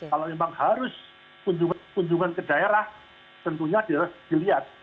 kalau memang harus kunjungan ke daerah tentunya harus dilihat